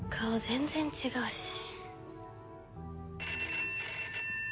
全然違うし。